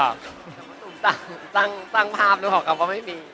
แต่ว่าตูมสร้างภาพหนูของเขาก็ไม่มี